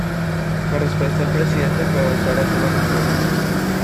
La respuesta del presidente fue avanzar hacia la reforma.